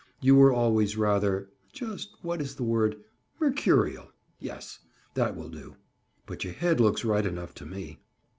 You were always rather—just what is the word?—'mercurial'—yes; that will do. But your head looks right enough to me."